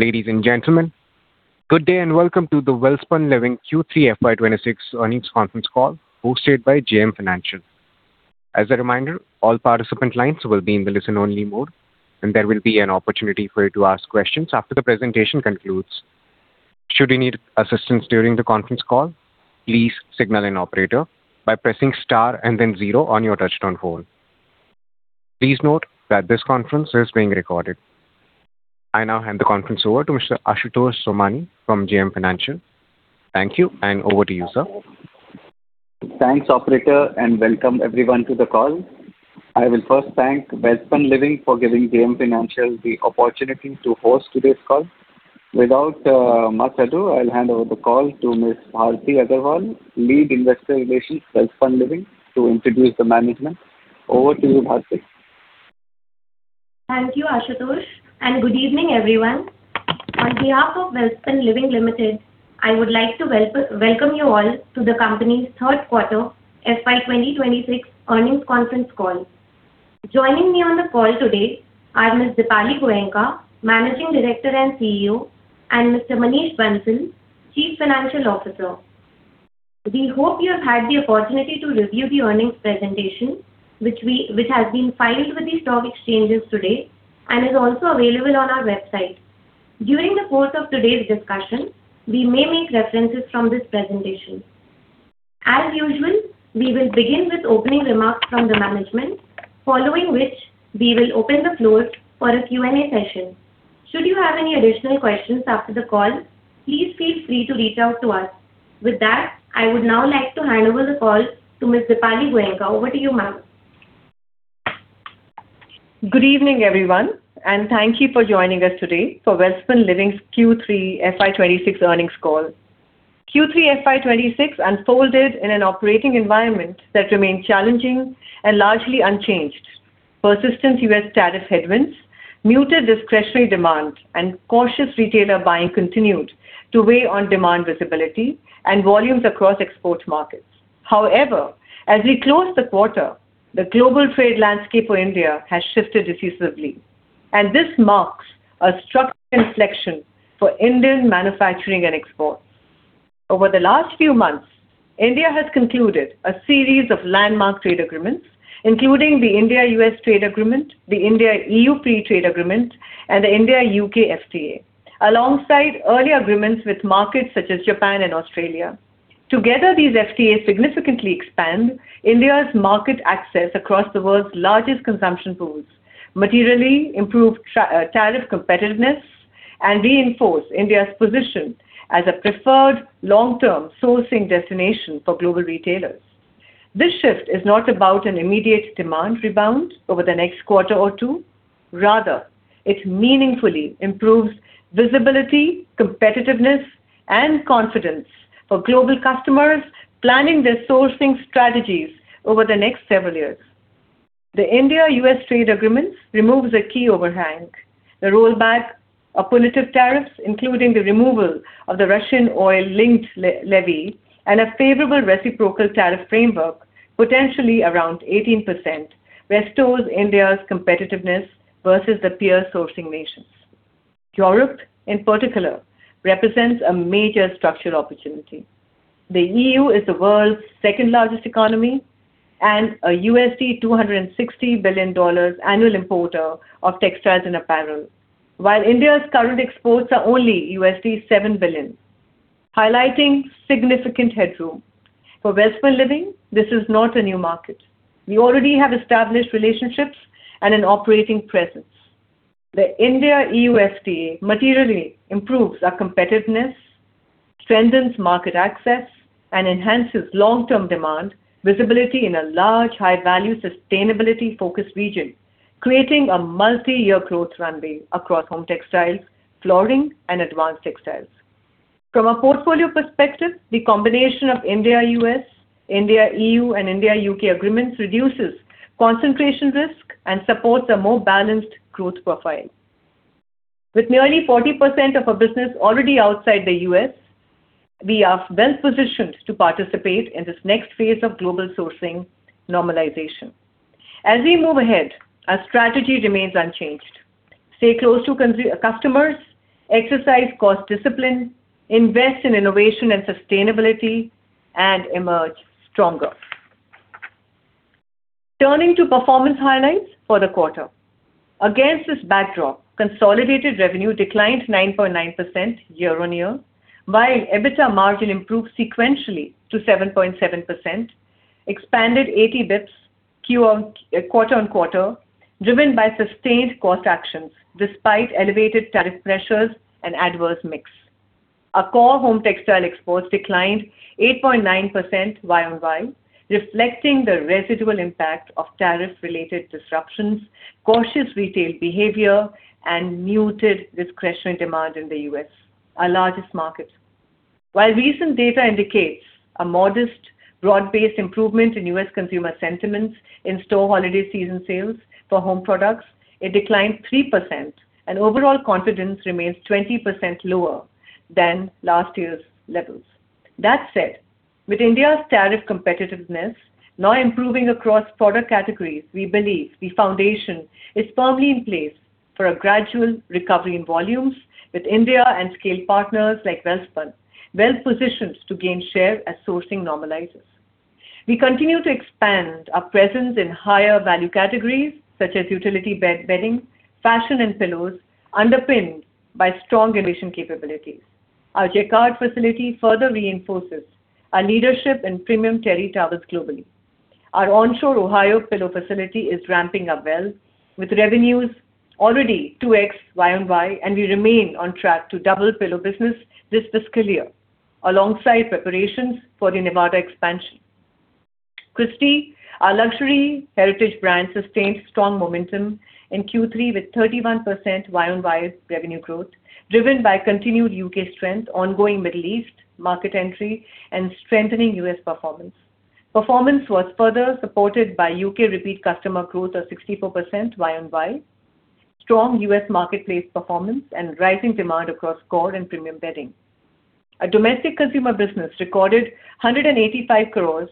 Ladies and gentlemen, good day, and welcome to the Welspun Living Q3 FY26 earnings conference call, hosted by JM Financial. As a reminder, all participant lines will be in the listen-only mode, and there will be an opportunity for you to ask questions after the presentation concludes. Should you need assistance during the conference call, please signal an operator by pressing star and then zero on your touchtone phone. Please note that this conference is being recorded. I now hand the conference over to Mr. Ashutosh Somani from JM Financial. Thank you, and over to you, sir. Thanks, operator, and welcome everyone to the call. I will first thank Welspun Living for giving JM Financial the opportunity to host today's call. Without much ado, I'll hand over the call to Ms. Bharti Agarwal, Lead Investor Relations, Welspun Living, to introduce the management. Over to you, Bharti. Thank you, Ashutosh, and good evening, everyone. On behalf of Welspun Living Limited, I would like to welcome you all to the company's third quarter FY 2026 earnings conference call. Joining me on the call today are Ms. Dipali Goenka, Managing Director and CEO, and Mr. Manish Bansal, Chief Financial Officer. We hope you have had the opportunity to review the earnings presentation, which has been filed with the stock exchanges today and is also available on our website. During the course of today's discussion, we may make references from this presentation. As usual, we will begin with opening remarks from the management, following which we will open the floor for a Q&A session. Should you have any additional questions after the call, please feel free to reach out to us. With that, I would now like to hand over the call to Ms. Dipali Goenka. Over to you, ma'am. Good evening, everyone, and thank you for joining us today for Welspun Living's Q3 FY 2026 earnings call. Q3 FY 2026 unfolded in an operating environment that remained challenging and largely unchanged. Persistent U.S. tariff headwinds, muted discretionary demand, and cautious retailer buying continued to weigh on demand visibility and volumes across export markets. However, as we close the quarter, the global trade landscape for India has shifted decisively, and this marks a structural inflection for Indian manufacturing and exports. Over the last few months, India has concluded a series of landmark trade agreements, including the India-U.S. trade agreement, the India-E.U. free trade agreement, and the India-U.K. FTA, alongside early agreements with markets such as Japan and Australia. Together, these FTAs significantly expand India's market access across the world's largest consumption pools, materially improve tariff competitiveness, and reinforce India's position as a preferred long-term sourcing destination for global retailers. This shift is not about an immediate demand rebound over the next quarter or two. Rather, it meaningfully improves visibility, competitiveness, and confidence for global customers planning their sourcing strategies over the next several years. The India-U.S. trade agreement removes a key overhang. The rollback of punitive tariffs, including the removal of the Russian oil-linked levy and a favorable reciprocal tariff framework, potentially around 18%, restores India's competitiveness versus the peer sourcing nations. Europe, in particular, represents a major structural opportunity. The EU is the world's second-largest economy and a $260 billion annual importer of textiles and apparel. While India's current exports are only $7 billion, highlighting significant headroom. For Welspun Living, this is not a new market. We already have established relationships and an operating presence. The India-EU FTA materially improves our competitiveness, strengthens market access, and enhances long-term demand visibility in a large, high-value, sustainability-focused region, creating a multi-year growth runway across home textiles, flooring, and advanced textiles. From a portfolio perspective, the combination of India-U.S., India-EU, and India-U.K. agreements reduces concentration risk and supports a more balanced growth profile. With nearly 40% of our business already outside the U.S., we are well positioned to participate in this next phase of global sourcing normalization. As we move ahead, our strategy remains unchanged: stay close to customers, exercise cost discipline, invest in innovation and sustainability, and emerge stronger. Turning to performance highlights for the quarter. Against this backdrop, consolidated revenue declined 9.9% year-on-year, while EBITDA margin improved sequentially to 7.7%, expanded 80 basis points quarter-on-quarter, driven by sustained cost actions despite elevated tariff pressures and adverse mix. Our core home textile exports declined 8.9% year-on-year, reflecting the residual impact of tariff-related disruptions, cautious retail behavior, and muted discretionary demand in the U.S., our largest market. While recent data indicates a modest, broad-based improvement in U.S. consumer sentiments in-store holiday season sales for home products, it declined 3%, and overall confidence remains 20% lower than last year's levels. That said. With India's tariff competitiveness now improving across product categories, we believe the foundation is firmly in place for a gradual recovery in volumes, with India and scale partners like Welspun well-positioned to gain share as sourcing normalizes. We continue to expand our presence in higher value categories, such as utility bedding, fashion, and pillows, underpinned by strong innovation capabilities. Our Jacquard facility further reinforces our leadership in premium terry towels globally. Our onshore Ohio pillow facility is ramping up well, with revenues already 2x Y-on-Y, and we remain on track to double pillow business this fiscal year, alongside preparations for the Nevada expansion. Christy, our luxury heritage brand, sustained strong momentum in Q3 with 31% Y-on-Y revenue growth, driven by continued U.K. strength, ongoing Middle East market entry, and strengthening U.S. performance. Performance was further supported by U.K. repeat customer growth of 64% Y-on-Y, strong U.S. marketplace performance, and rising demand across core and premium bedding. Our domestic consumer business recorded 185 crores.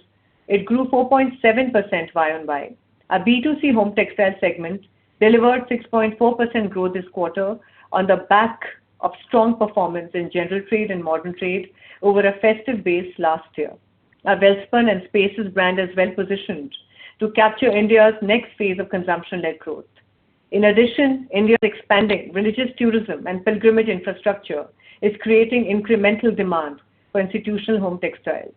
It grew 4.7% Y-on-Y. Our B2C home textile segment delivered 6.4% growth this quarter on the back of strong performance in general trade and modern trade over a festive base last year. Our Welspun and Spaces brand is well positioned to capture India's next phase of consumption-led growth. In addition, India's expanding religious tourism and pilgrimage infrastructure is creating incremental demand for institutional home textiles,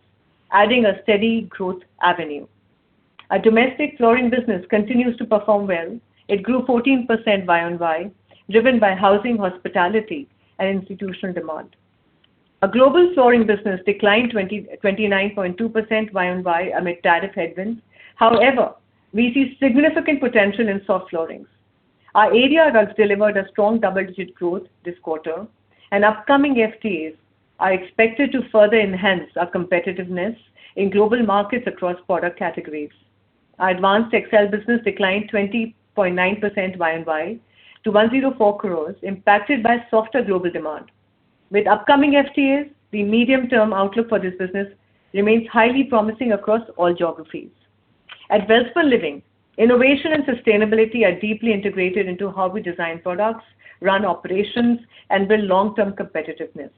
adding a steady growth avenue. Our domestic flooring business continues to perform well. It grew 14% Y-on-Y, driven by housing, hospitality, and institutional demand. Our global flooring business declined 29.2% Y-on-Y amid tariff headwinds. However, we see significant potential in soft floorings. Our area rugs delivered a strong double-digit growth this quarter, and upcoming FTAs are expected to further enhance our competitiveness in global markets across product categories. Our advanced textiles business declined 20.9% Y-on-Y to 104 crore, impacted by softer global demand. With upcoming FTAs, the medium-term outlook for this business remains highly promising across all geographies. At Welspun Living, innovation and sustainability are deeply integrated into how we design products, run operations, and build long-term competitiveness.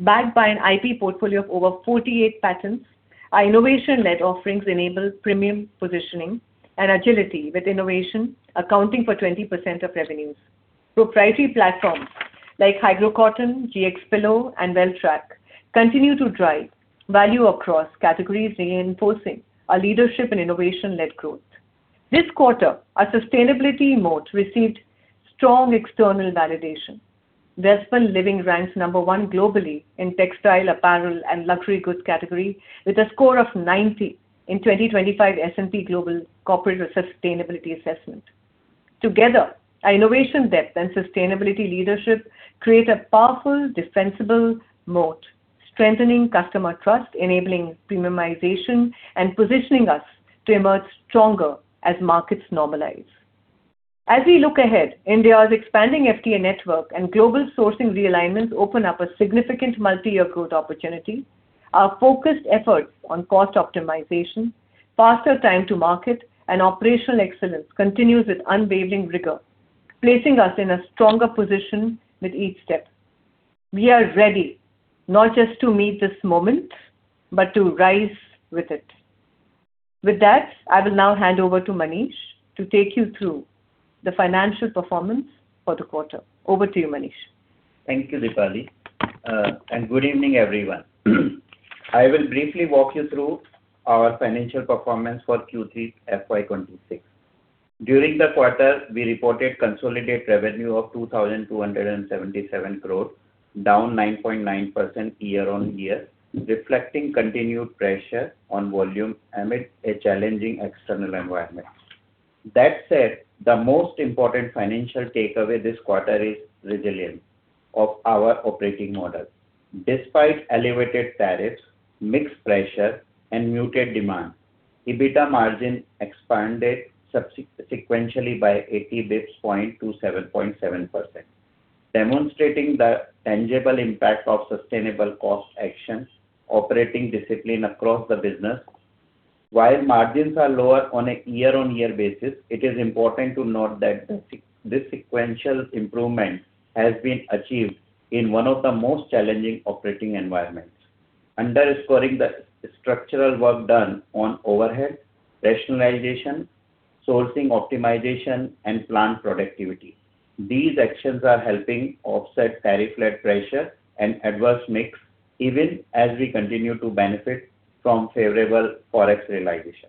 Backed by an IP portfolio of over 48 patents, our innovation-led offerings enable premium positioning and agility, with innovation accounting for 20% of revenues. Proprietary platforms like HYGROCOTTON, GX Pillow, and WelTrack continue to drive value across categories, reinforcing our leadership in innovation-led growth. This quarter, our sustainability moat received strong external validation. Welspun Living ranks number one globally in textile, apparel, and luxury goods category, with a score of 90 in 2025 S&P Global Corporate Sustainability Assessment. Together, our innovation depth and sustainability leadership create a powerful defensible moat, strengthening customer trust, enabling premiumization, and positioning us to emerge stronger as markets normalize. As we look ahead, India's expanding FTA network and global sourcing realignments open up a significant multi-year growth opportunity. Our focused efforts on cost optimization, faster time to market, and operational excellence continues with unwavering rigor, placing us in a stronger position with each step. We are ready not just to meet this moment, but to rise with it. With that, I will now hand over to Manish to take you through the financial performance for the quarter. Over to you, Manish. Thank you, Dipali, and good evening, everyone. I will briefly walk you through our financial performance for Q3 FY2026. During the quarter, we reported consolidated revenue of 2,277 crore, down 9.9% year-on-year, reflecting continued pressure on volume amid a challenging external environment. That said, the most important financial takeaway this quarter is resilience of our operating model. Despite elevated tariffs, mixed pressure, and muted demand, EBITDA margin expanded sequentially by 80 basis points to 7.7%, demonstrating the tangible impact of sustainable cost actions, operating discipline across the business. While margins are lower on a year-on-year basis, it is important to note that this sequential improvement has been achieved in one of the most challenging operating environments, underscoring the structural work done on overhead, rationalization, sourcing optimization, and plant productivity. These actions are helping offset tariff-led pressure and adverse mix, even as we continue to benefit from favorable Forex realization.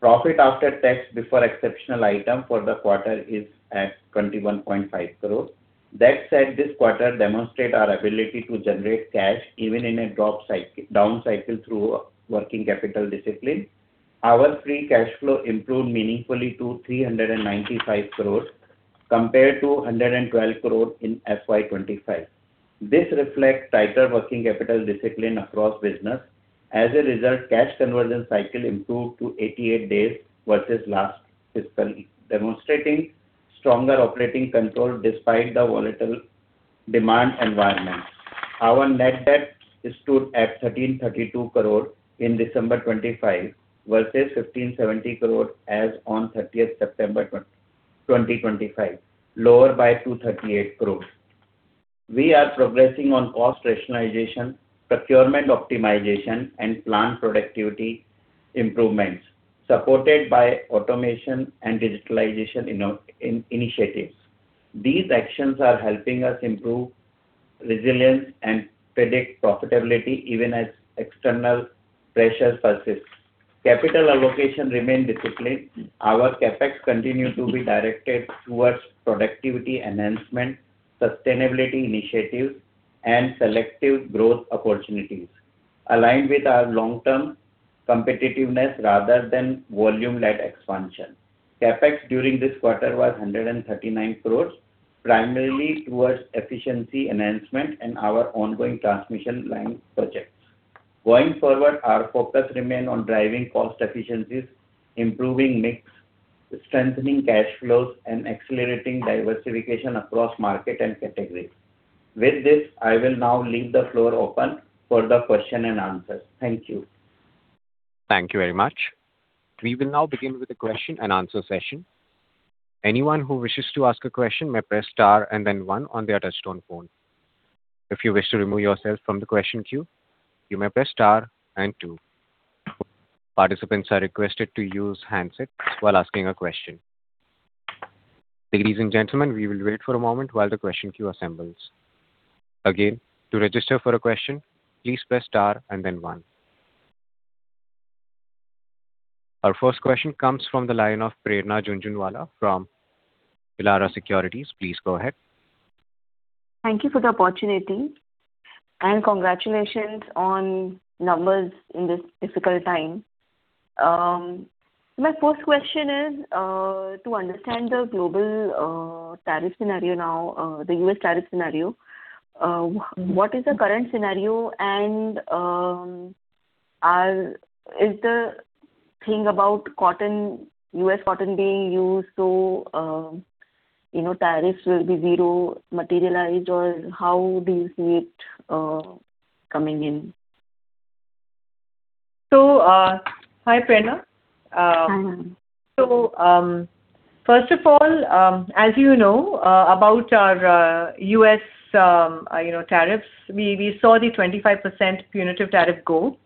Profit after tax, before exceptional item for the quarter is at 21.5 crore. That said, this quarter demonstrate our ability to generate cash even in a down cycle through working capital discipline. Our free cash flow improved meaningfully to 395 crore, compared to 112 crore in FY 2025. This reflects tighter working capital discipline across business. As a result, cash conversion cycle improved to 88 days versus last fiscal year, demonstrating stronger operating control despite the volatile demand environment. Our net debt stood at 1,332 crore in December 2025, versus 1,570 crore as on thirtieth September 2025, lower by 238 crore. We are progressing on cost rationalization, procurement optimization, and plant productivity improvements, supported by automation and digitalization initiatives. These actions are helping us improve resilience and predict profitability, even as external pressures persist. Capital allocation remain disciplined. Our CapEx continue to be directed towards productivity enhancement, sustainability initiatives, and selective growth opportunities, aligned with our long-term competitiveness rather than volume-led expansion. CapEx during this quarter was 139 crores, primarily towards efficiency enhancement and our ongoing transmission line projects. Going forward, our focus remain on driving cost efficiencies, improving mix, strengthening cash flows, and accelerating diversification across market and categories. With this, I will now leave the floor open for the question and answers. Thank you. Thank you very much. We will now begin with the question and answer session. Anyone who wishes to ask a question may press star and then one on their touchtone phone. If you wish to remove yourself from the question queue, you may press star and two. Participants are requested to use handsets while asking a question. Ladies and gentlemen, we will wait for a moment while the question queue assembles. Again, to register for a question, please press star and then one. Our first question comes from the line of Prerna Jhunjhunwala from Elara Securities. Please go ahead. Thank you for the opportunity, and congratulations on numbers in this difficult time. My first question is to understand the global tariff scenario now, the U.S. tariff scenario. What is the current scenario and, is the thing about cotton, U.S. cotton being used, so, you know, tariffs will be zero materialized, or how do you see it, coming in? So, hi, Prerna. Hi, ma'am. So, first of all, as you know, about our U.S. tariffs, we saw the 25% punitive tariff go.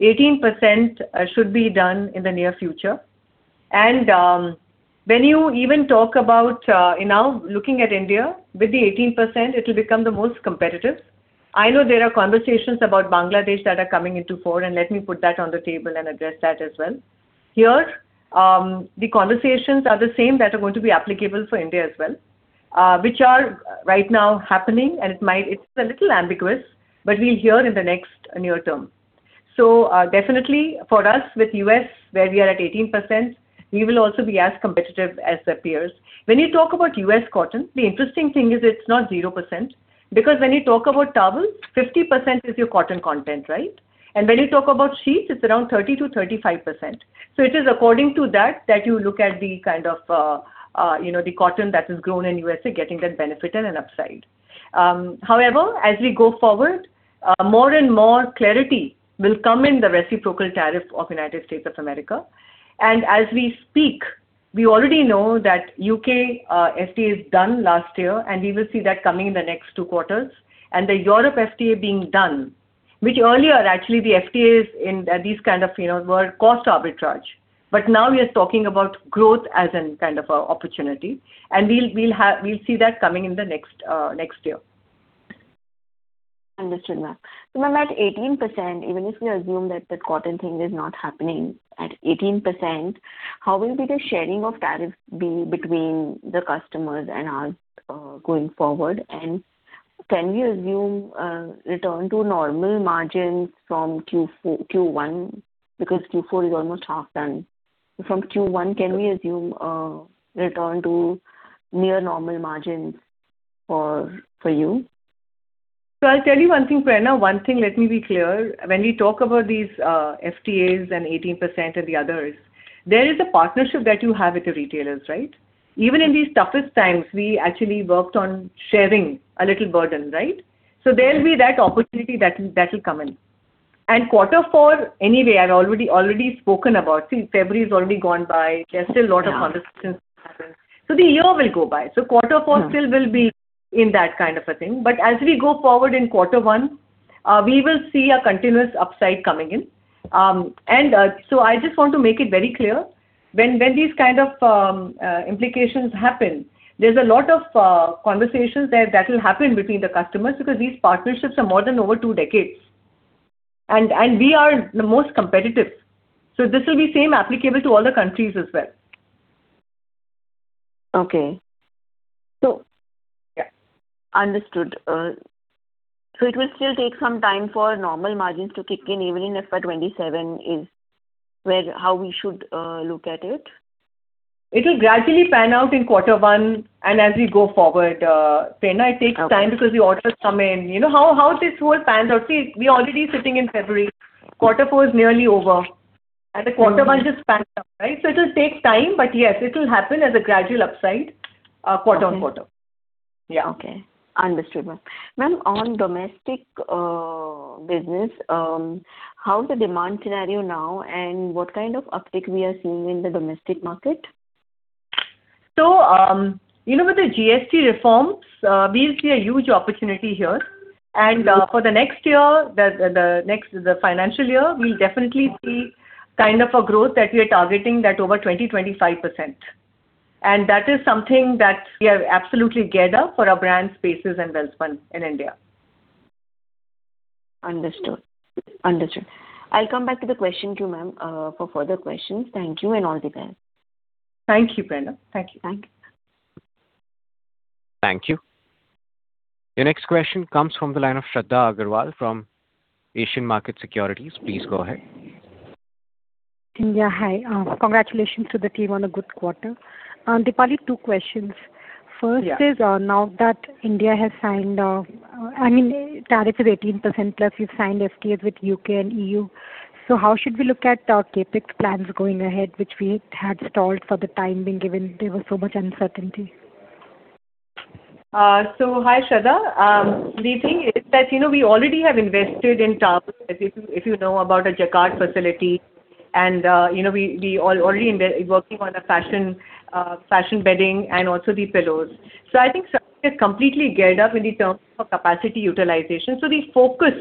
18% should be done in the near future. When you even talk about now, looking at India, with the 18%, it will become the most competitive. I know there are conversations about Bangladesh that are coming to the fore, and let me put that on the table and address that as well. Here, the conversations are the same that are going to be applicable for India as well, which are right now happening, and it might, it's a little ambiguous, but we'll hear in the next near term. So, definitely for us, with U.S., where we are at 18%, we will also be as competitive as the peers. When you talk about U.S. cotton, the interesting thing is it's not 0%, because when you talk about towels, 50% is your cotton content, right? And when you talk about sheets, it's around 30%-35%. So it is according to that, that you look at the kind of, you know, the cotton that is grown in USA, getting that benefited and upside. However, as we go forward, more and more clarity will come in the reciprocal tariff of United States of America. And as we speak, we already know that U.K. FTA is done last year, and we will see that coming in the next two quarters. And the Europe FTA being done, which earlier, actually, the FTAs in, these kind of, you know, were cost arbitrage. But now we are talking about growth as a kind of opportunity, and we'll have—we'll see that coming in the next year. Understood, ma'am. So, ma'am, at 18%, even if we assume that the cotton thing is not happening, at 18%, how will be the sharing of tariffs be between the customers and us, going forward? And can we assume return to normal margins from Q4... Q1, because Q4 is almost half done. From Q1, can we assume return to near normal margins for, for you? So I'll tell you one thing, Prerna. One thing, let me be clear. When we talk about these FTAs and 18% and the others, there is a partnership that you have with the retailers, right? Even in these toughest times, we actually worked on sharing a little burden, right? So there'll be that opportunity that will, that will come in. And quarter four, anyway, I've already, already spoken about. See, February is already gone by. Yeah. There are still a lot of conversations to happen. The year will go by. Mm-hmm. So quarter four still will be in that kind of a thing. But as we go forward in quarter one, we will see a continuous upside coming in. And so I just want to make it very clear, when these kind of implications happen, there's a lot of conversations there that will happen between the customers, because these partnerships are more than over two decades. And we are the most competitive. So this will be same applicable to all the countries as well. Okay. So- Yeah. Understood. So it will still take some time for normal margins to kick in, even in FY 27, is where, how we should look at it? It will gradually pan out in quarter one, and as we go forward, Prerna, it takes time... Okay. - because the orders come in. You know how, how this whole pans out? See, we're already sitting in February. Quarter four is nearly over... and the quarter one just backed up, right? So it will take time, but yes, it will happen as a gradual upside, quarter-on-quarter. Yeah. Okay. Understood, ma'am. Ma'am, on domestic business, how is the demand scenario now, and what kind of uptick we are seeing in the domestic market? So, you know, with the GST reforms, we see a huge opportunity here. And, for the next year, the next financial year, we'll definitely see kind of a growth that we are targeting that over 20-25%. And that is something that we are absolutely geared up for our brand Spaces and Welspun in India. Understood. Understood. I'll come back to the question to you, ma'am, for further questions. Thank you, and all the best. Thank you, Prerna. Thank you. Thank you. Thank you. The next question comes from the line of Shraddha Agarwal from Asian Market Securities. Please go ahead. India, hi. Congratulations to the team on a good quarter. Dipali, two questions. Yeah. First is, now that India has signed, I mean, tariff is 18% plus, you've signed FTAs with UK and EU. So how should we look at CapEx plans going ahead, which we had stalled for the time being, given there was so much uncertainty? So hi, Shraddha. The thing is that, you know, we already have invested in towels, if you know about our Jacquard facility. And, you know, we are already working on a fashion, fashion bedding and also the pillows. So I think Shraddha, it's completely geared up in the terms of capacity utilization. So the focus,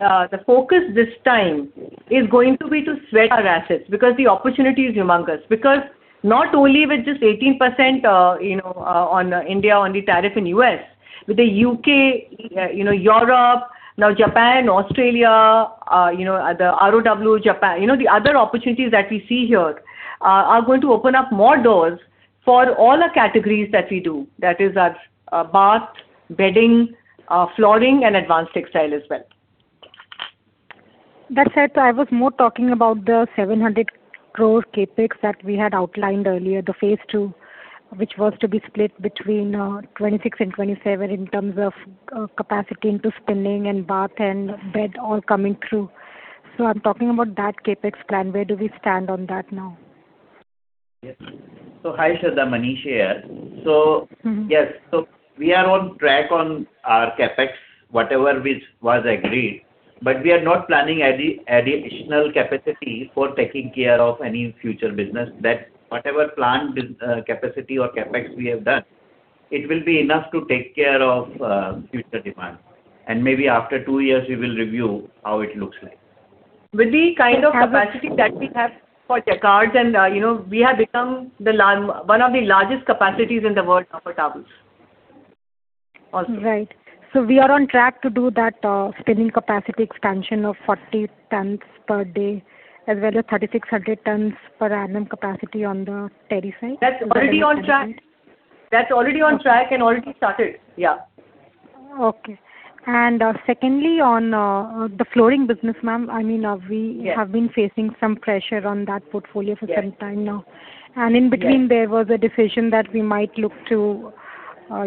the focus this time is going to be to sweat our assets, because the opportunity is humongous. Because not only with just 18%, you know, on India, on the tariff in U.S., with the U.K., you know, Europe, now Japan, Australia, you know, the ROW, Japan. You know, the other opportunities that we see here are going to open up more doors for all our categories that we do. That is our bath, bedding, flooring, and advanced textile as well. That said, I was more talking about the 700 crore CapEx that we had outlined earlier, the phase two, which was to be split between 2026 and 2027 in terms of capacity into spinning and bath and bed all coming through. So I'm talking about that CapEx plan. Where do we stand on that now? Yes. Hi, Shraddha, Manish here. Mm-hmm. So yes, so we are on track on our CapEx, whatever which was agreed, but we are not planning any additional capacity for taking care of any future business. That whatever planned capacity or CapEx we have done, it will be enough to take care of future demand. And maybe after two years, we will review how it looks like. With the kind of capacity that we have for Jacquards and, you know, we have become one of the largest capacities in the world for towels. Also. Right. So we are on track to do that, spinning capacity expansion of 40 tons per day, as well as 3,600 tons per annum capacity on the terry side? That's already on track. That's already on track and already started. Yeah. Okay. Secondly, on the flooring business, ma'am, I mean, we- Yeah... have been facing some pressure on that portfolio for some time now. Yeah. In between, there was a decision that we might look to,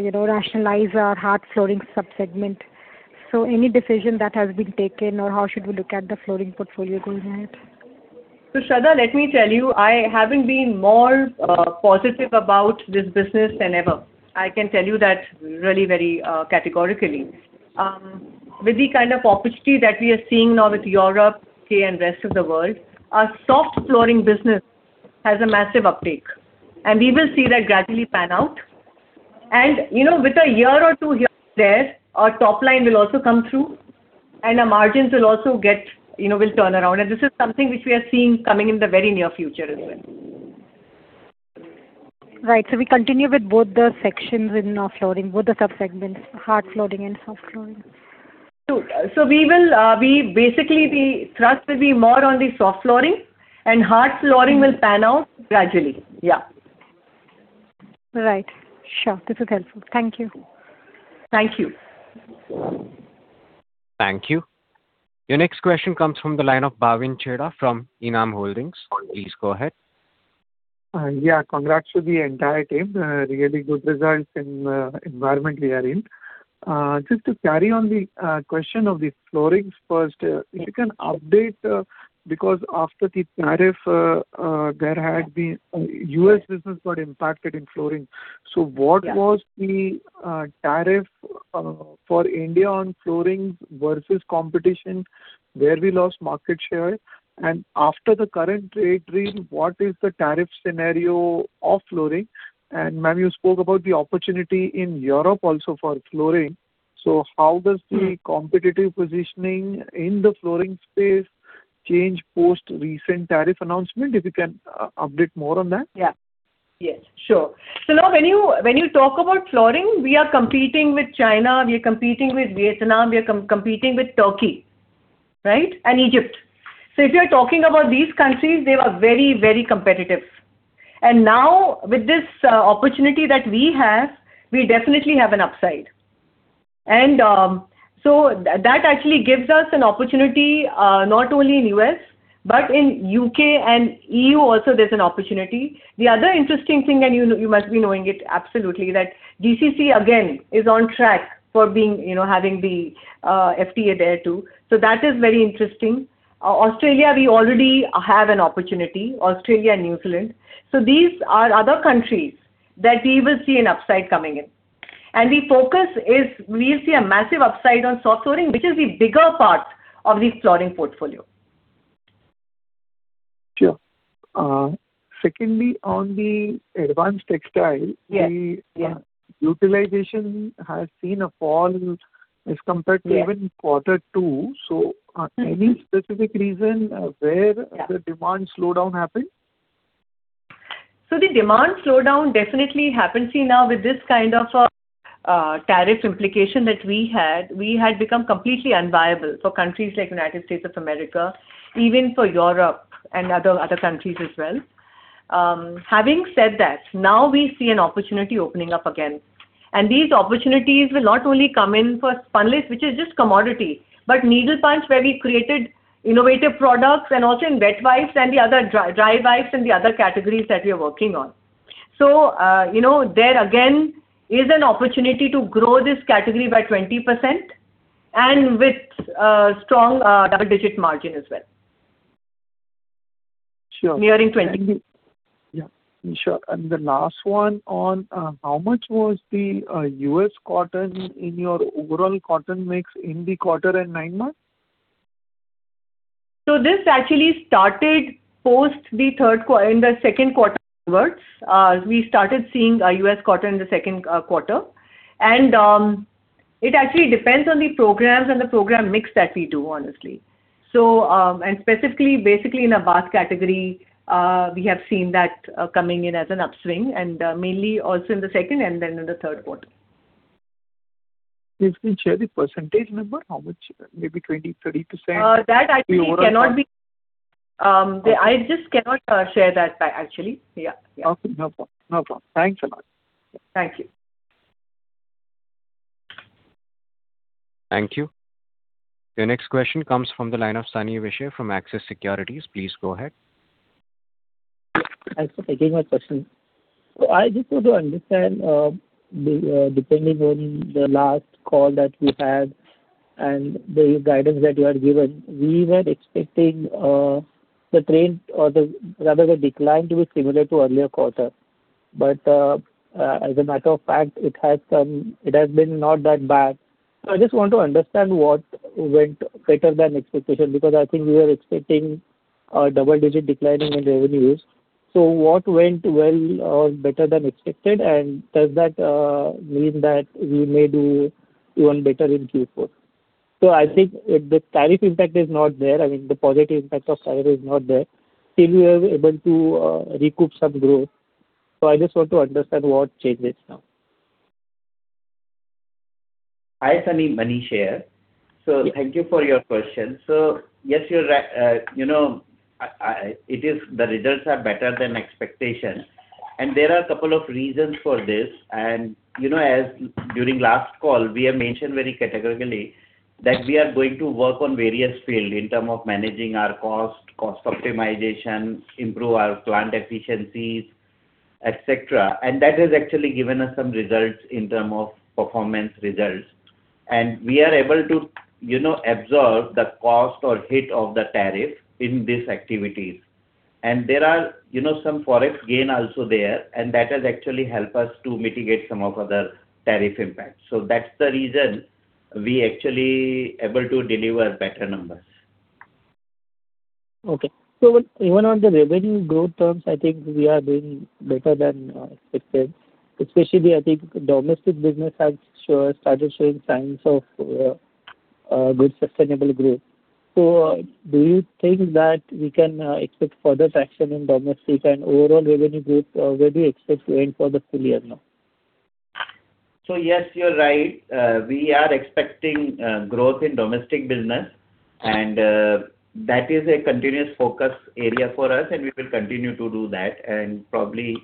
you know, rationalize our hard flooring sub-segment. Any decision that has been taken, or how should we look at the flooring portfolio going ahead? So, Shraddha, let me tell you, I haven't been more positive about this business than ever. I can tell you that really very categorically. With the kind of opportunity that we are seeing now with Europe, UK, and rest of the world, our soft flooring business has a massive uptake, and we will see that gradually pan out. You know, with a year or two here and there, our top line will also come through, and our margins will also get... You know, will turn around. This is something which we are seeing coming in the very near future as well. Right. So we continue with both the sections in our flooring, both the sub-segments, hard flooring and soft flooring? So, we will, we basically the thrust will be more on the soft flooring, and hard flooring will pan out gradually. Yeah. Right. Sure, this is helpful. Thank you. Thank you. Thank you. Your next question comes from the line of Bhavin Chheda from Enam Holdings. Please go ahead. Yeah, congrats to the entire team. Really good results in the environment we are in. Just to carry on the question of the floorings first, if you can update, because after the tariff, there had been U.S. business got impacted in flooring. Yeah. So what was the tariff for India on flooring versus competition, where we lost market share? And after the current trade deal, what is the tariff scenario of flooring? And, ma'am, you spoke about the opportunity in Europe also for flooring. So how does the competitive positioning in the flooring space change post recent tariff announcement? If you can update more on that. Yeah. Yes, sure. So now when you, when you talk about flooring, we are competing with China, we are competing with Vietnam, we are competing with Turkey, right? And Egypt. So if you're talking about these countries, they were very, very competitive. And now with this opportunity that we have, we definitely have an upside. And, so that actually gives us an opportunity, not only in U.S., but in U.K. and EU also, there's an opportunity. The other interesting thing, and you must be knowing it absolutely, that GCC again, is on track for being, you know, having the FTA there, too. So that is very interesting. Australia, we already have an opportunity, Australia and New Zealand. So these are other countries that we will see an upside coming in. The focus is, we'll see a massive upside on soft flooring, which is the bigger part of the flooring portfolio. Sure. Secondly, on the advanced textiles- Yes, yeah. The utilization has seen a fall as compared to— Yes - even quarter two. So, any specific reason, where- Yeah the demand slowdown happened? So the demand slowdown definitely happened. See, now with this kind of tariff implication that we had, we had become completely unviable for countries like United States of America, even for Europe and other, other countries as well. Having said that, now we see an opportunity opening up again, and these opportunities will not only come in for spunlace, which is just commodity, but needle punch, where we created innovative products and also in wet wipes and the other dry, dry wipes and the other categories that we are working on. So, you know, there again is an opportunity to grow this category by 20%, and with strong double-digit margin as well. Sure. Nearing twenty. Yeah, sure. The last one on how much was the U.S. cotton in your overall cotton mix in the quarter and nine months? So this actually started post the third quarter. In the second quarter onwards. We started seeing U.S. cotton in the second quarter. And it actually depends on the programs and the program mix that we do, honestly. So, and specifically, basically in the bath category, we have seen that coming in as an upswing and mainly also in the second and then in the third quarter. Can you please share the percentage number? How much, maybe 20-30%? That actually cannot be- The overall- I just cannot share that, actually. Yeah, yeah. Okay, no problem. No problem. Thanks a lot. Thank you. Thank you. The next question comes from the line of Sunny Visha from Axis Securities. Please go ahead. Thanks for taking my question. So I just want to understand, depending on the last call that you had and the guidance that you had given, we were expecting the trend or rather the decline to be similar to earlier quarter. But as a matter of fact, it has been not that bad. So I just want to understand what went better than expectation, because I think we were expecting a double-digit decline in the revenues. So what went well or better than expected? And does that mean that we may do even better in Q4? So I think the tariff impact is not there. I mean, the positive impact of tariff is not there. Still, we are able to recoup some growth. So I just want to understand what changed this now? Hi, Sunny. Manish here. So thank you for your question. So yes, you're right, you know, I, I... It is, the results are better than expectations, and there are a couple of reasons for this. And, you know, as during last call, we have mentioned very categorically that we are going to work on various field in term of managing our cost, cost optimization, improve our plant efficiencies, et cetera. And that has actually given us some results in term of performance results. And we are able to, you know, absorb the cost or hit of the tariff in these activities. And there are, you know, some Forex gain also there, and that has actually helped us to mitigate some of other tariff impacts. So that's the reason we actually able to deliver better numbers. Okay. So even on the revenue growth terms, I think we are doing better than expected. Especially, I think domestic business has sure started showing signs of a good sustainable growth. So do you think that we can expect further traction in domestic and overall revenue growth, where do you expect to end for the full year now? Yes, you're right. We are expecting growth in domestic business, and that is a continuous focus area for us, and we will continue to do that. Probably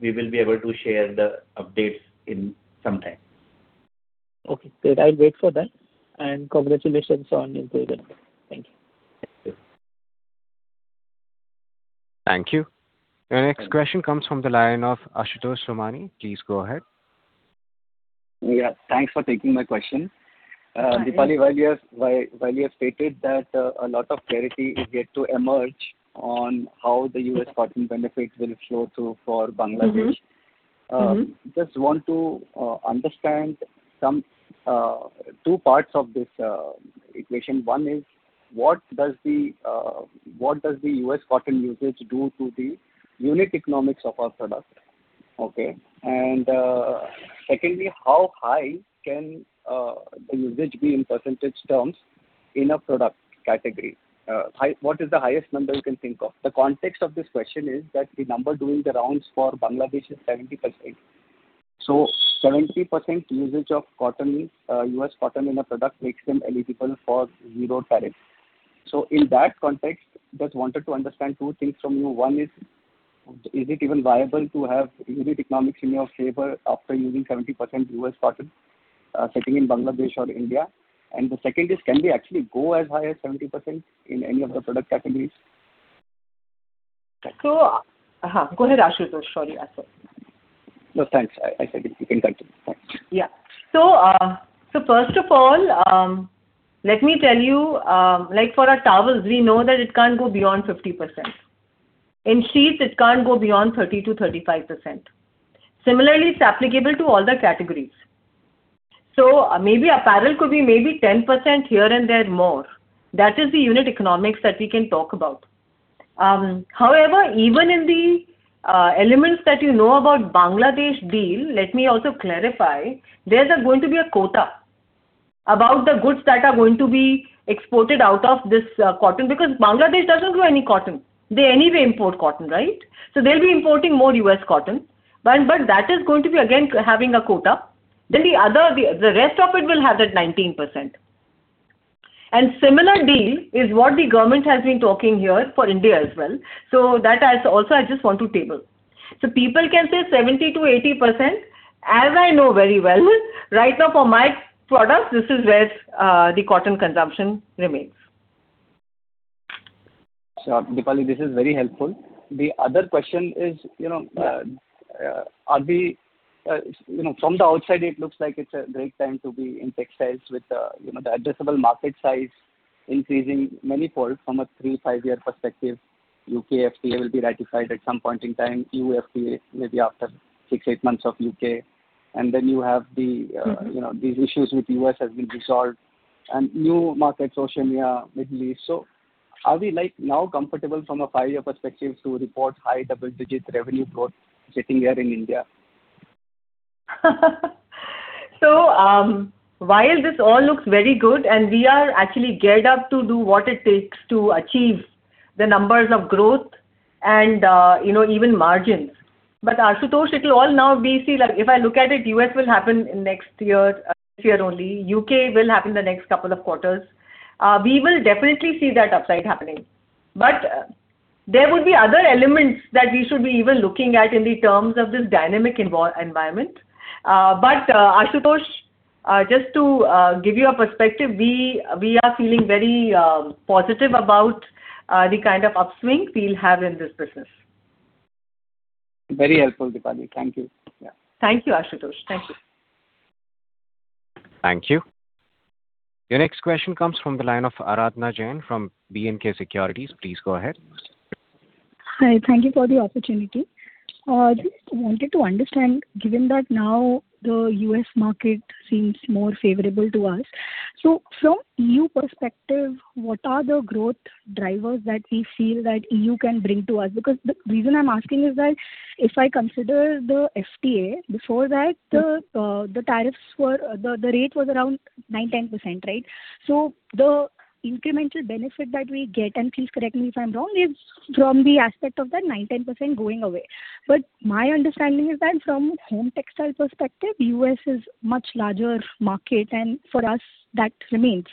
we will be able to share the updates in some time. Okay, great. I'll wait for that. Congratulations on your growth. Thank you. Thank you. Thank you. The next question comes from the line of Ashutosh Somani. Please go ahead. Yeah, thanks for taking my question. Hi. Dipali, while you have stated that a lot of clarity is yet to emerge on how the U.S. cotton benefits will flow through for Bangladesh- Mm-hmm, mm-hmm. Just want to understand some two parts of this equation. One is: What does the U.S. cotton usage do to the unit economics of our product? Okay. And secondly, how high can the usage be in percentage terms in a product category? What is the highest number you can think of? The context of this question is that the number doing the rounds for Bangladesh is 70%. So 70% usage of cotton, U.S. cotton in a product, makes them eligible for zero tariff. So in that context, just wanted to understand two things from you. One is, is it even viable to have unit economics in your favor after using 70% U.S. cotton, setting in Bangladesh or India? The second is, can we actually go as high as 70% in any of the product categories? Go ahead, Ashutosh. Sorry, Ashutosh. No, thanks. I said you can continue. Thanks. Yeah. So, first of all, let me tell you, like for our towels, we know that it can't go beyond 50%. In sheets, it can't go beyond 30%-35%. Similarly, it's applicable to all the categories. So maybe apparel could be maybe 10%, here and there more. That is the unit economics that we can talk about. However, even in the elements that you know about Bangladesh deal, let me also clarify, there's going to be a quota about the goods that are going to be exported out of this cotton, because Bangladesh doesn't grow any cotton. They anyway import cotton, right? So they'll be importing more U.S. cotton. But that is going to be, again, having a quota. Then the other, the rest of it will have that 19%. Similar deal is what the government has been talking here for India as well. So that I also, I just want to table. So people can say 70%-80%, as I know very well, right now for my products, this is where the cotton consumption remains. Sure, Dipali, this is very helpful. The other question is, you know, are we, you know, from the outside, it looks like it's a great time to be in textiles with the, you know, the addressable market size increasing manifold from a 3- to 5-year perspective. UK FTA will be ratified at some point in time, EU FTA maybe after 6- to 8 months of UK. And then you have the- Mm-hmm. You know, these issues with U.S. has been resolved and new markets, Oceania, Middle East. So are we, like, now comfortable from a five-year perspective to report high double-digit revenue growth sitting here in India? So, while this all looks very good, and we are actually geared up to do what it takes to achieve the numbers of growth and, you know, even margins. But, Ashutosh, it will all now be seen. Like, if I look at it, U.S. will happen in next year, this year only. U.K. will happen in the next couple of quarters. We will definitely see that upside happening. But there would be other elements that we should be even looking at in the terms of this dynamic environment. But, Ashutosh, just to give you a perspective, we are feeling very positive about the kind of upswing we'll have in this business. Very helpful, Dipali. Thank you. Yeah. Thank you, Ashutosh. Thank you. Thank you. Your next question comes from the line of Aradhana Jain from B&K Securities. Please go ahead. Hi, thank you for the opportunity. Just wanted to understand, given that now the U.S. market seems more favorable to us, so from E.U. perspective, what are the growth drivers that we feel that E.U. can bring to us? Because the reason I'm asking is that if I consider the FTA, before that, the tariffs were—the rate was around 9%-10%, right? So the incremental benefit that we get, and please correct me if I'm wrong, is from the aspect of that 9%-10% going away. But my understanding is that from home textile perspective, U.S. is much larger market, and for us, that remains.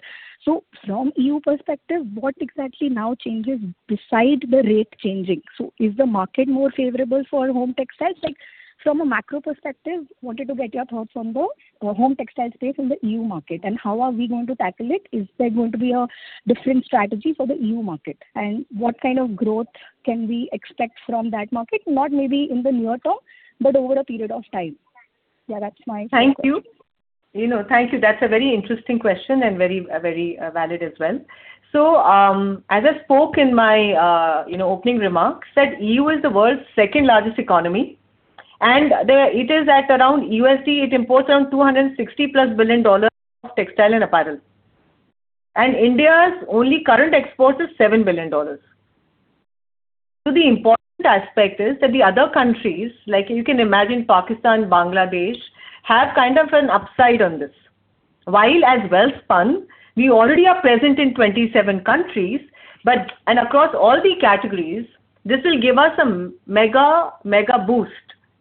So from E.U. perspective, what exactly now changes besides the rate changing? So is the market more favorable for home textiles? Like, from a macro perspective, wanted to get your thoughts on the home textiles space in the EU market, and how are we going to tackle it? Is there going to be a different strategy for the EU market? And what kind of growth can we expect from that market, not maybe in the near term, but over a period of time? Yeah, that's my question. Thank you. You know, thank you. That's a very interesting question and very, very valid as well. So, as I spoke in my, you know, opening remarks, that EU is the world's second-largest economy, and the—it is at around USD, it imports around $260+ billion of textile and apparel. And India's only current export is $7 billion. So the important aspect is that the other countries, like you can imagine, Pakistan, Bangladesh, have kind of an upside on this. While at Welspun, we already are present in 27 countries, but, and across all the categories, this will give us a mega, mega boost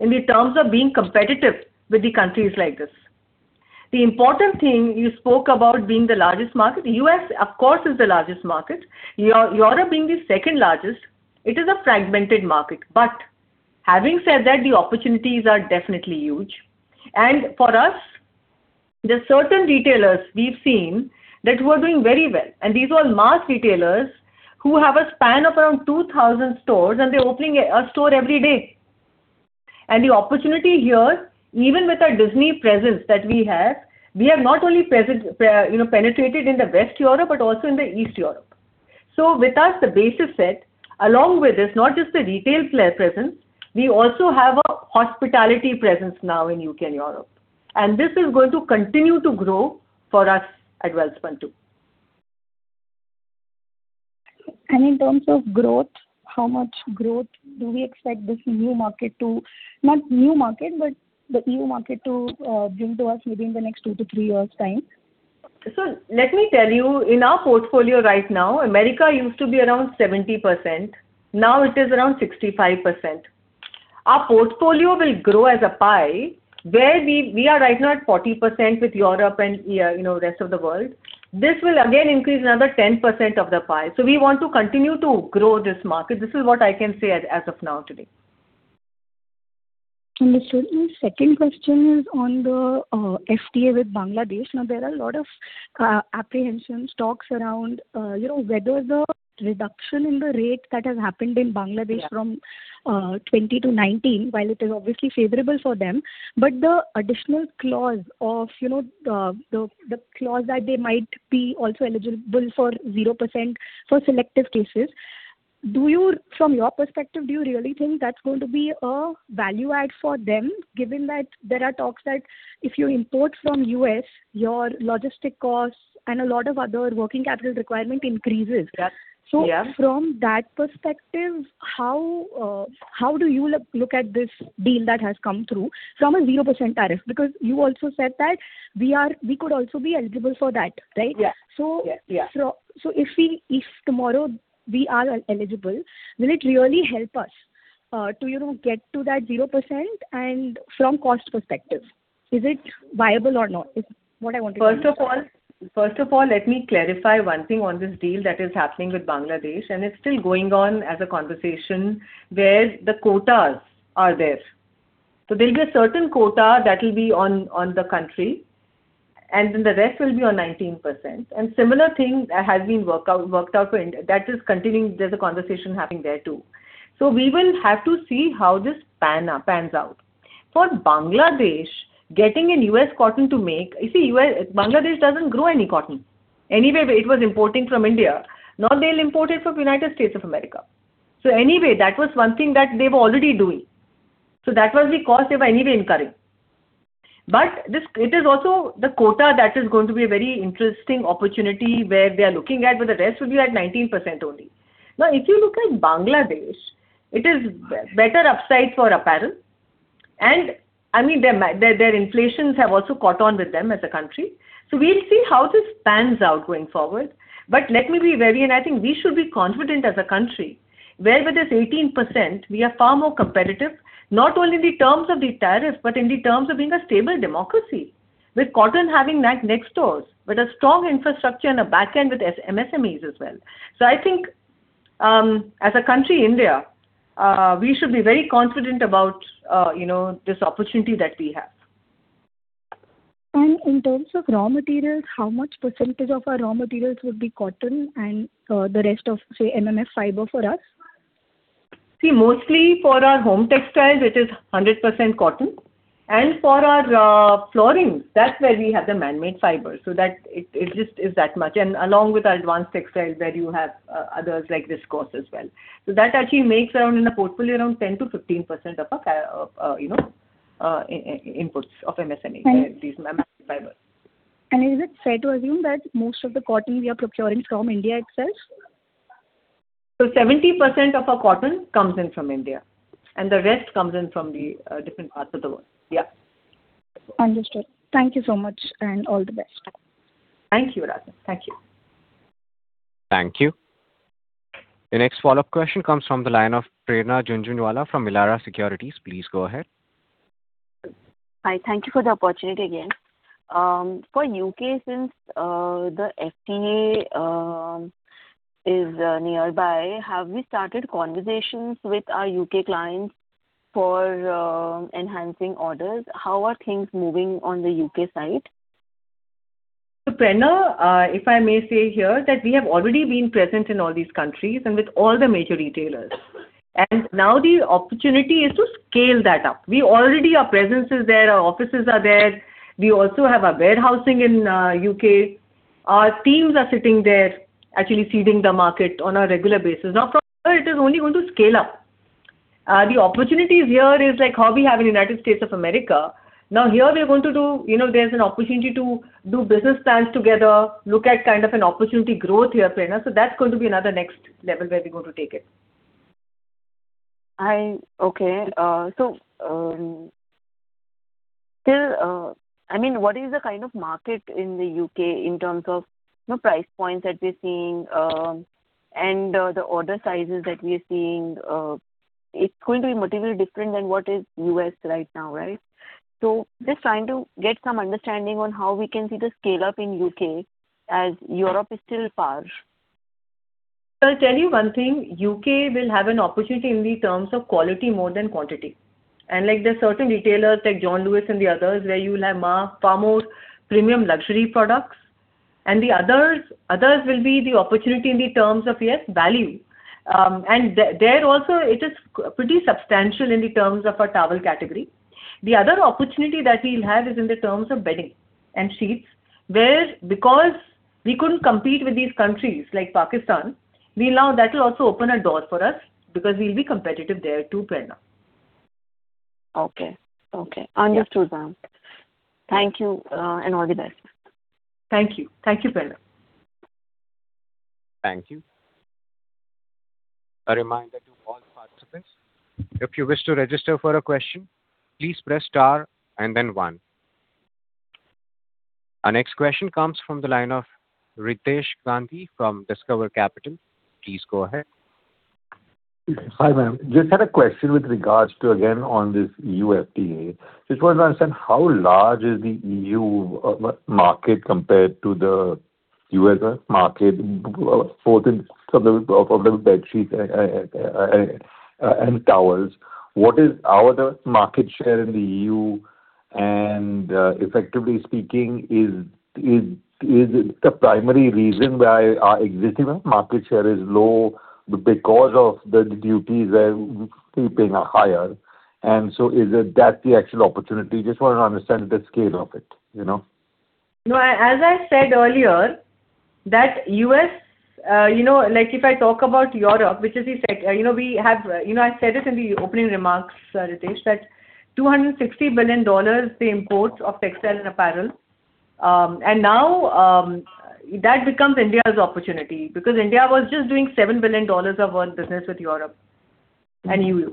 in the terms of being competitive with the countries like this. The important thing you spoke about being the largest market, the U.S., of course, is the largest market. Europe being the second largest, it is a fragmented market. But having said that, the opportunities are definitely huge. For us, there are certain retailers we've seen that we're doing very well, and these are mass retailers who have a span of around 2,000 stores, and they're opening a store every day. The opportunity here, even with our Disney presence that we have, we are not only present, you know, penetrated in the West Europe, but also in the East Europe. So with us, the base is set. Along with this, not just the retail play presence, we also have a hospitality presence now in the U.K. and Europe, and this is going to continue to grow for us at Welspun, too. In terms of growth, how much growth do we expect this new market to, not new market, but the EU market to, bring to us maybe in the next 2-3 years' time? So let me tell you, in our portfolio right now, America used to be around 70%. Now it is around 65%. Our portfolio will grow as a pie, where we, we are right now at 40% with Europe and, yeah, you know, rest of the world. This will again increase another 10% of the pie. So we want to continue to grow this market. This is what I can say as, as of now today. Understood. My second question is on the FTA with Bangladesh. Now, there are a lot of apprehensions, talks around, you know, whether the reduction in the rate that has happened in Bangladesh from 20% to 19%, while it is obviously favorable for them, but the additional clause of, you know, the, the, the clause that they might be also eligible for 0% for selective cases. Do you, from your perspective, do you really think that's going to be a value add for them, given that there are talks that if you import from U.S., your logistics costs and a lot of other working capital requirement increases? Yes. Yeah. So from that perspective, how do you look at this deal that has come through from a 0% tariff? Because you also said that we are, we could also be eligible for that, right? Yeah. So- Yeah, yeah. So, if we, if tomorrow we are eligible, will it really help us, to, you know, get to that 0% and from cost perspective, is it viable or not? Is what I wanted to know. First of all, first of all, let me clarify one thing on this deal that is happening with Bangladesh, and it's still going on as a conversation where the quotas are there. So there'll be a certain quota that will be on, on the country, and then the rest will be on 19%. And similar thing has been work out, worked out for India. That is continuing. There's a conversation happening there, too. So we will have to see how this pan out, pans out. For Bangladesh, getting a U.S. cotton to make... You see, U.S.--Bangladesh doesn't grow any cotton. Anyway, it was importing from India. Now they'll import it from United States of America. So anyway, that was one thing that they were already doing. So that was the cost they were anyway incurring. But this, it is also the quota that is going to be a very interesting opportunity where they are looking at, but the rest will be at 19% only. Now, if you look at Bangladesh, it is better upside for apparel, and, I mean, their inflation has also caught on with them as a country. So we'll see how this pans out going forward. But let me be very, and I think we should be confident as a country where with this 18%, we are far more competitive, not only in the terms of the tariff, but in the terms of being a stable democracy, with cotton having that next door, with a strong infrastructure and a backend with MSMEs as well. So I think, as a country, India, we should be very confident about, you know, this opportunity that we have. In terms of raw materials, how much percentage of our raw materials would be cotton and the rest of, say, MMF fiber for us? See, mostly for our home textiles, it is 100% cotton, and for our flooring, that's where we have the man-made fiber. So that it just is that much, and along with our advanced textiles, where you have others like viscose as well. So that actually makes around in the portfolio around 10%-15% of our, you know, inputs of MSME- Right. These man-made fibers. Is it fair to assume that most of the cotton we are procuring from India itself? 70% of our cotton comes in from India, and the rest comes in from the different parts of the world. Yeah. Understood. Thank you so much, and all the best. Thank you, Radha. Thank you. Thank you. The next follow-up question comes from the line of Prerna Junjunwala from Elara Securities. Please go ahead. Hi, thank you for the opportunity again. For U.K., since the FTA is nearby, have we started conversations with our U.K. clients for enhancing orders? How are things moving on the U.K. side? So Prerna, if I may say here, that we have already been present in all these countries and with all the major retailers, and now the opportunity is to scale that up. We already, our presence is there, our offices are there. We also have our warehousing in U.K. Our teams are sitting there, actually seeding the market on a regular basis. Now, from there, it is only going to scale up. The opportunities here is like how we have in the United States of America. Now, here we are going to do, you know, there's an opportunity to do business plans together, look at kind of an opportunity growth here, Prerna. So that's going to be another next level where we're going to take it. Okay, so, still, I mean, what is the kind of market in the U.K. in terms of, you know, price points that we're seeing, and the order sizes that we are seeing? It's going to be materially different than what is U.S. right now, right? So just trying to get some understanding on how we can see the scale-up in U.K. as Europe is still far. So I'll tell you one thing, UK will have an opportunity in the terms of quality more than quantity. And like there are certain retailers, like John Lewis and the others, where you will have far more premium luxury products, and the others, others will be the opportunity in the terms of, yes, value. And there also it is pretty substantial in the terms of our towel category. The other opportunity that we'll have is in the terms of bedding and sheets, where because we couldn't compete with these countries, like Pakistan, we now that will also open a door for us because we'll be competitive there, too, Prerna. Okay. Okay. Understood, ma'am. Yeah. Thank you, and all the best. Thank you. Thank you, Prerna. Thank you. A reminder to all participants, if you wish to register for a question, please press star and then one. Our next question comes from the line of Ritesh Gandhi from Discovery Capital. Please go ahead. Hi, ma'am. Just had a question with regards to, again, on this EU FTA. Just want to understand how large is the EU market compared to the US market for the bedsheets and towels? What is our market share in the EU? And, effectively speaking, is the primary reason why our existing market share is low because of the duties are keeping higher? And so is it that the actual opportunity? Just want to understand the scale of it, you know. No, as I said earlier, that U.S., you know, like if I talk about Europe, which is the sector, you know, we have, you know, I said it in the opening remarks, Ritesh, that $260 billion, the imports of textile and apparel. And now, that becomes India's opportunity, because India was just doing $7 billion of world business with Europe and U.S.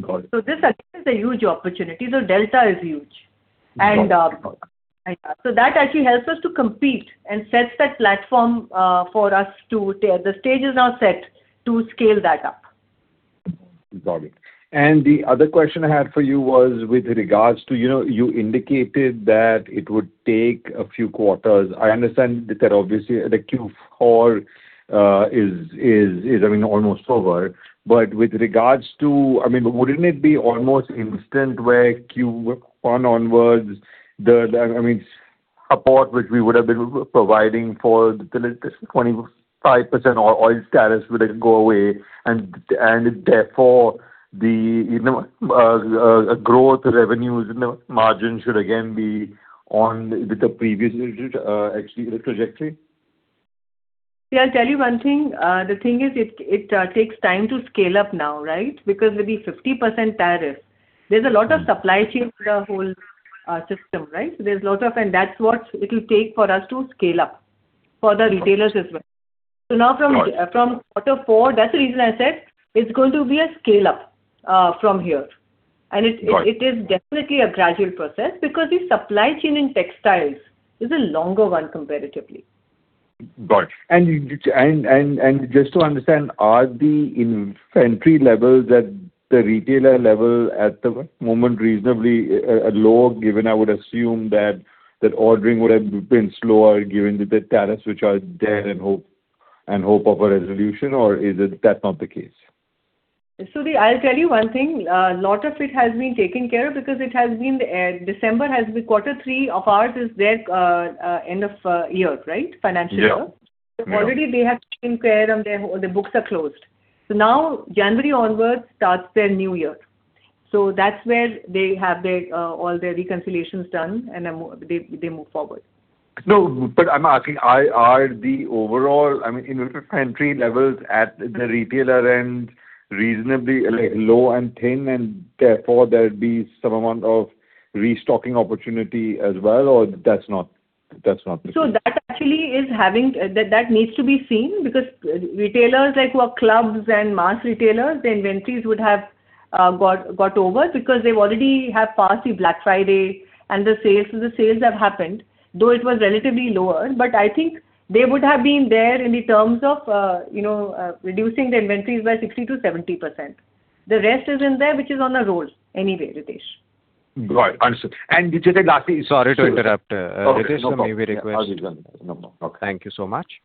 Got it. This is a huge opportunity. The delta is huge. Got it, got it. So that actually helps us to compete and sets that platform for us. The stage is now set to scale that up. Got it. And the other question I had for you was with regards to, you know, you indicated that it would take a few quarters. I understand that obviously, the Q4 is, I mean, almost over. But with regards to, I mean, wouldn't it be almost instant, where Q1 onwards, the I mean, support which we would have been providing for the 25% oil tariffs would go away, and therefore, the, you know, growth, revenues, you know, margins should again be on with the previous, actually, the trajectory? Yeah, I'll tell you one thing. The thing is, it takes time to scale up now, right? Because with the 50% tariff, there's a lot of supply chain to the whole system, right? And that's what it will take for us to scale up for the retailers as well. Got it. So now from quarter four, that's the reason I said it's going to be a scale up from here. Got it. It is definitely a gradual process, because the supply chain in textiles is a longer one comparatively. Got it. And just to understand, are the inventory levels at the retailer level at the moment reasonably low, given I would assume that ordering would have been slower, given the tariffs which are there and hope of a resolution, or is it that not the case? So I'll tell you one thing. A lot of it has been taken care of, because it has been, December has been quarter three of ours, is their, end of year, right? Financial year. Yeah. Already they have taken care and their books are closed. So now January onwards starts their new year. So that's where they have their all their reconciliations done, and then they move forward. No, but I'm asking, are the overall, I mean, inventory levels at the retailer end reasonably low and thin, and therefore there'd be some amount of restocking opportunity as well, or that's not the case? So that actually is—that needs to be seen, because retailers like our clubs and mass retailers, the inventories would have got over, because they've already have passed the Black Friday and the sales. So the sales have happened, though it was relatively lower, but I think they would have been there in the terms of, you know, reducing the inventories by 60%-70%. The rest is in there, which is on the road anyway, Ritesh. Right. Understood. And just the last- Sorry to interrupt, Ritesh. Okay, no problem. May we request? No, no. Okay. Thank you so much.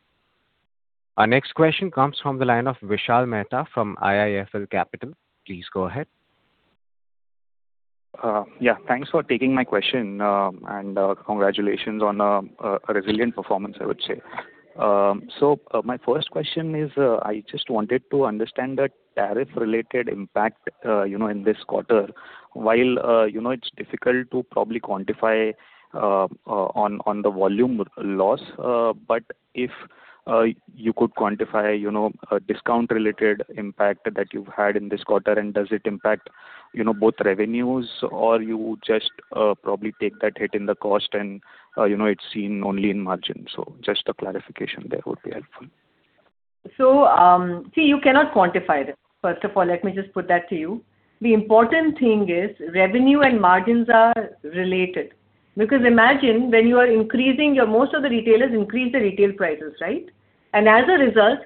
Our next question comes from the line of Vishal Mehta from IIFL Capital. Please go ahead. Yeah, thanks for taking my question, and congratulations on a resilient performance, I would say. So, my first question is, I just wanted to understand the tariff-related impact, you know, in this quarter. While, you know, it's difficult to probably quantify on the volume loss, but if you could quantify, you know, a discount-related impact that you've had in this quarter, and does it impact, you know, both revenues, or you just probably take that hit in the cost and, you know, it's seen only in margin? So just a clarification there would be helpful. So, you cannot quantify this. First of all, let me just put that to you. The important thing is, revenue and margins are related. Because imagine most of the retailers increase the retail prices, right? And as a result,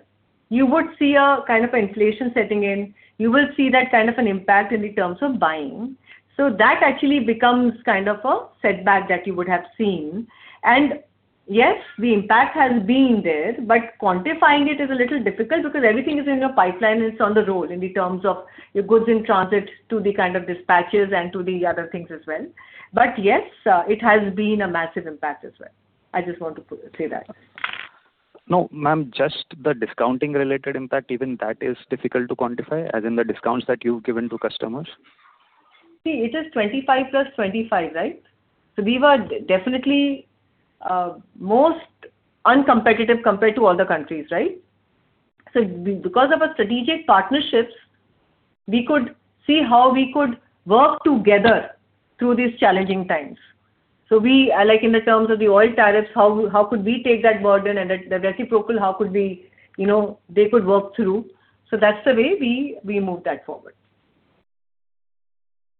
you would see a kind of inflation setting in. You will see that kind of an impact in terms of buying. So that actually becomes kind of a setback that you would have seen. And yes, the impact has been there, but quantifying it is a little difficult because everything is in a pipeline, it's on the road in terms of your goods in transit to the kind of dispatches and to the other things as well. But yes, it has been a massive impact as well. I just want to say that. No, ma'am, just the discounting related impact, even that is difficult to quantify, as in the discounts that you've given to customers? See, it is 25 + 25, right? So we were definitely most uncompetitive compared to all the countries, right? So because of our strategic partnerships, we could see how we could work together through these challenging times. So we like in the terms of the oil tariffs, how, how could we take that burden, and the reciprocal, how could we, you know, they could work through. So that's the way we moved that forward.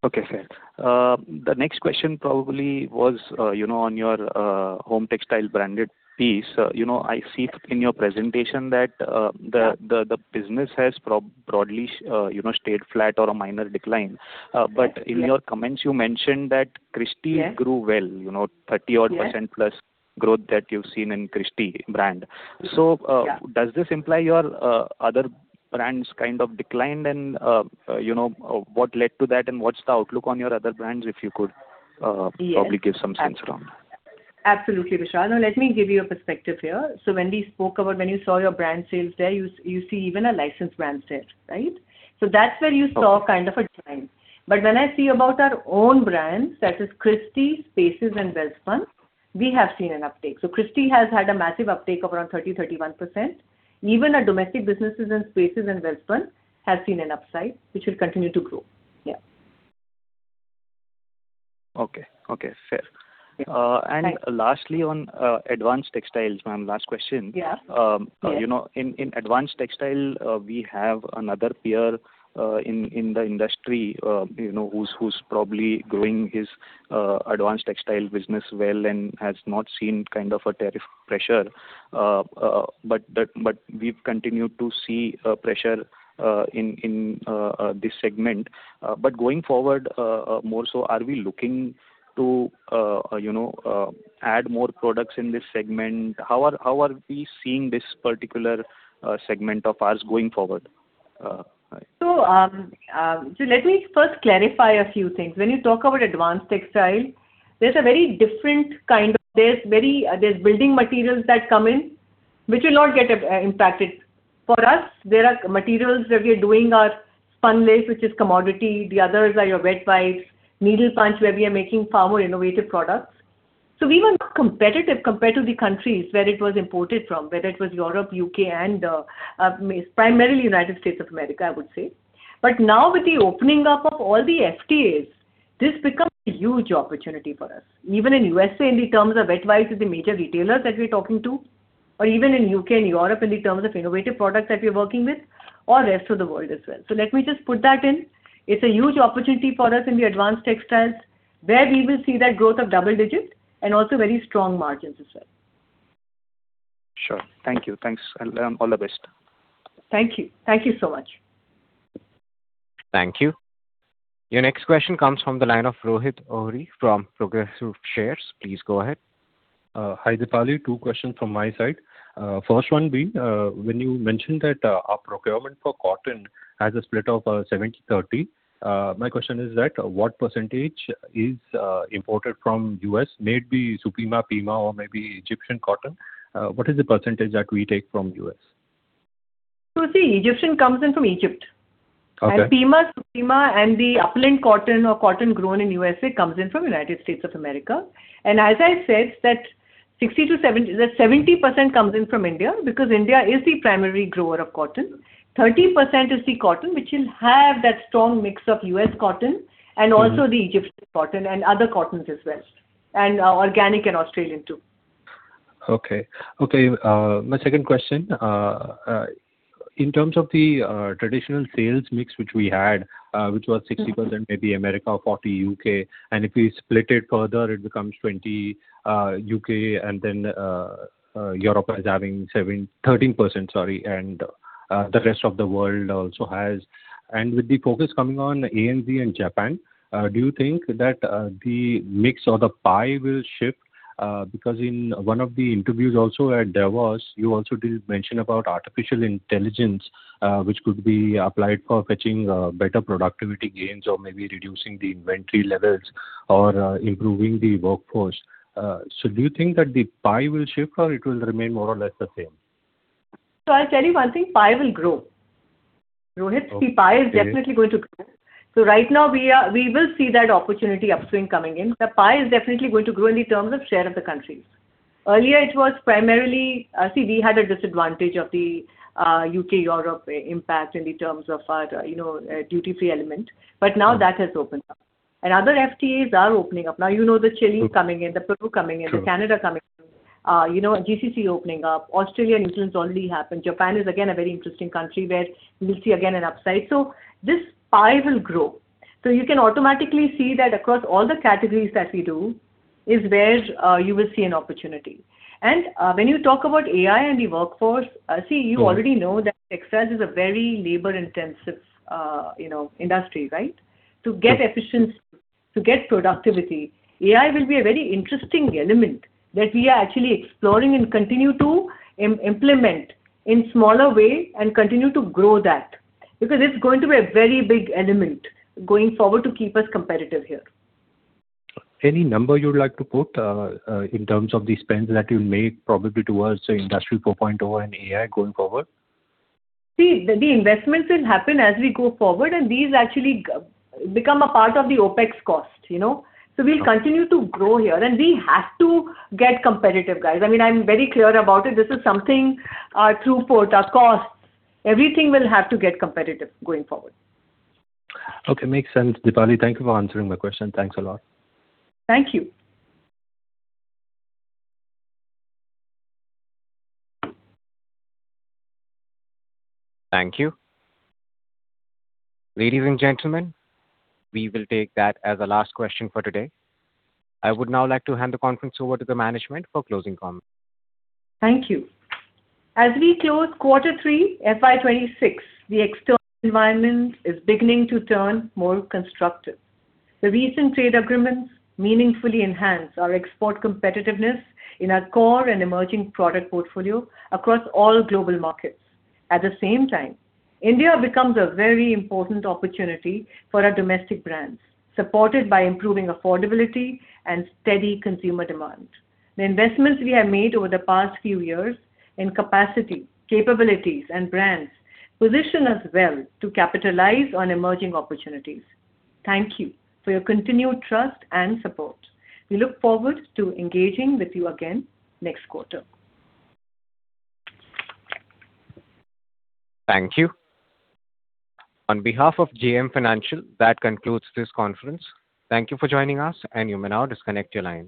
Okay, fair. The next question probably was, you know, on your home textile branded piece. You know, I see in your presentation that, the- Yeah... the business has probably broadly, you know, stayed flat or a minor decline. Yes. But in your comments, you mentioned that Christy- Yeah -grew well, you know, 30-odd%- Yeah -plus growth that you've seen in Christy brand. Yeah. So, does this imply your other brands kind of declined, and, you know, what led to that, and what's the outlook on your other brands, if you could probably give some sense around that? Absolutely, Vishal. Now, let me give you a perspective here. So when we spoke about when you saw your brand sales there, you, you see even a licensed brand there, right? So that's where you- Okay. Saw kind of a trend. But when I see about our own brands, that is Christy, Spaces and Welspun, we have seen an uptake. So Christy has had a massive uptake of around 30%-31%. Even our domestic businesses in Spaces and Welspun have seen an upside, which will continue to grow. Yeah. Okay. Okay, fair. Thanks. Lastly, on advanced textiles, ma'am, last question. Yeah. Um- Yeah. You know, in advanced textile, we have another peer in the industry, you know, who's probably growing his advanced textile business well and has not seen kind of a tariff pressure. But that, but we've continued to see pressure in this segment. But going forward, more so, are we looking to you know add more products in this segment? How are we seeing this particular segment of ours going forward? Hi. Let me first clarify a few things. When you talk about advanced textile, there's a very different kind of... There's building materials that come in, which will not get impacted. For us, there are materials where we are doing our spunlace, which is commodity. The others are your wet wipes, needle punch, where we are making far more innovative products. So we were not competitive compared to the countries where it was imported from, whether it was Europe, UK, and primarily United States of America, I would say. But now with the opening up of all the FTAs, this becomes a huge opportunity for us. Even in USA, in the terms of wet wipes, with the major retailers that we're talking to, or even in U.K. and Europe, in the terms of innovative products that we're working with or rest of the world as well. So let me just put that in. It's a huge opportunity for us in the advanced textiles, where we will see that growth of double digit and also very strong margins as well. Sure. Thank you. Thanks, and all the best. Thank you. Thank you so much. Thank you. Your next question comes from the line of Rohit Ohri from Progressive Shares. Please go ahead. Hi, Dipali. Two questions from my side. First one being, when you mentioned that, our procurement for cotton has a split of 70/30, my question is that, what percentage is imported from U.S.? May it be Supima, Pima, or maybe Egyptian Cotton. What is the percentage that we take from U.S.? See, Egyptian comes in from Egypt. Okay. Pima, Supima, and the Upland cotton or cotton grown in USA, comes in from United States of America. As I said, that 60 to 70, the 70% comes in from India, because India is the primary grower of cotton. 30% is the cotton, which will have that strong mix of US cotton- Mm-hmm. Also the Egyptian Cotton and other cottons as well, and organic and Australian, too. Okay. Okay, my second question. In terms of the traditional sales mix, which we had, which was 60%- Mm-hmm. 40% America, 40% UK, and if we split it further, it becomes 20% UK, and then Europe is having 7-13%, sorry, and the rest of the world also has... With the focus coming on ANZ and Japan, do you think that the mix or the pie will shift? Because in one of the interviews also at Davos, you also did mention about artificial intelligence, which could be applied for fetching better productivity gains or maybe reducing the inventory levels or improving the workforce. So do you think that the pie will shift or it will remain more or less the same? I'll tell you one thing: Pie will grow. Rohit- Okay. The pie is definitely going to grow. Right now, we will see that opportunity upstream coming in. The pie is definitely going to grow in terms of share of the countries. Earlier, it was primarily. We had a disadvantage of the U.K., Europe impact in terms of our, you know, duty-free element- Mm-hmm. But now that has opened up, and other FTAs are opening up. Now, you know, the Chile coming in, the Peru coming in- Sure. Canada coming in. You know, GCC opening up. Australia, New Zealand already happened. Japan is again a very interesting country, where we'll see again an upside. So this pie will grow. So you can automatically see that across all the categories that we do, is where you will see an opportunity. And when you talk about AI and the workforce, see- Mm-hmm. You already know that textile is a very labor-intensive, you know, industry, right? Yes. To get efficiency, to get productivity, AI will be a very interesting element that we are actually exploring and continue to implement in smaller way, and continue to grow that. Because it's going to be a very big element going forward to keep us competitive here. Any number you would like to put in terms of the spends that you'll make, probably towards the Industry 4.0 and AI going forward? See, the investments will happen as we go forward, and these actually become a part of the OpEx cost, you know? Okay. We'll continue to grow here, and we have to get competitive, guys. I mean, I'm very clear about it. This is something, through port, our cost, everything will have to get competitive going forward. Okay, makes sense, Dipali. Thank you for answering my question. Thanks a lot. Thank you. Thank you. Ladies and gentlemen, we will take that as the last question for today. I would now like to hand the conference over to the management for closing comments. Thank you. As we close quarter 3, FY26, the external environment is beginning to turn more constructive. The recent trade agreements meaningfully enhance our export competitiveness in our core and emerging product portfolio across all global markets. At the same time, India becomes a very important opportunity for our domestic brands, supported by improving affordability and steady consumer demand. The investments we have made over the past few years in capacity, capabilities, and brands, position us well to capitalize on emerging opportunities. Thank you for your continued trust and support. We look forward to engaging with you again next quarter. Thank you. On behalf of JM Financial, that concludes this conference. Thank you for joining us, and you may now disconnect your lines.